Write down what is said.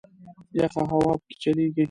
یخه هوا په کې چلیږي.